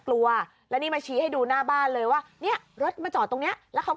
กลัวแล้วนี่มาชี้ให้ดูหน้าบ้านเลยว่าเนี่ยรถมาจอดตรงเนี้ยแล้วเขา